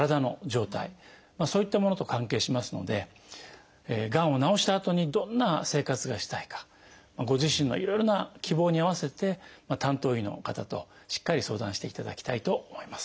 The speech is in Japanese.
そういったものと関係しますのでがんを治したあとにどんな生活がしたいかご自身のいろいろな希望に合わせて担当医の方としっかり相談していただきたいと思います。